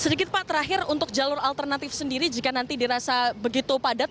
sedikit pak terakhir untuk jalur alternatif sendiri jika nanti dirasa begitu padat